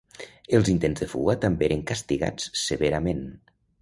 Els intents de fuga també eren castigats severament.